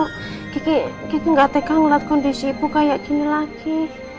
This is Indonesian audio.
kiki nggak teka ngeliat kondisi ibu kayak gini lagi